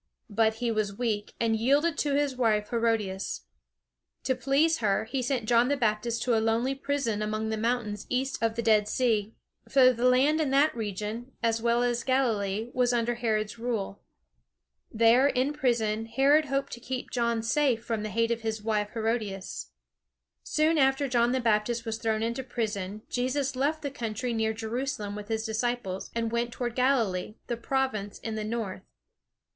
But he was weak, and yielded to his wife Herodias. To please her, he sent John the Baptist to a lonely prison among the mountains east of the Dead Sea; for the land in that region, as well as Galilee, was under Herod's rule. There in prison Herod hoped to keep John safe from the hate of his wife Herodias. Soon after John the Baptist was thrown into prison, Jesus left the country near Jerusalem with his disciples, and went toward Galilee, the province in the north.